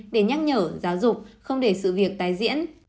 để nhắc nhở giáo dục không để sự việc tái diễn